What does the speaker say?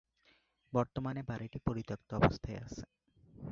বর্তমানে বাড়িটি পরিত্যক্ত অবস্থায় আছে।